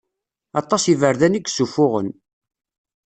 Aṭas n iberdan i yessuffuɣen.